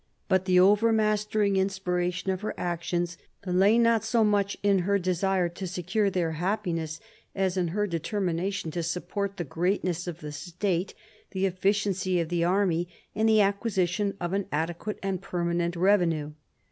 But the overmastering inspiration of her actions lay not so much in her desire to secure their happiness as in her determination to support the greatness of the state, the efficiency of the army, and the acquisition of an adequate and permanent revenue.